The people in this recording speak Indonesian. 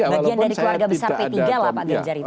bagian dari keluarga besar p tiga lah pak ganjar itu